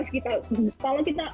sepertinya tepat diatas kita